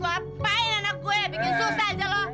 lo apain anak gue bikin susah aja lo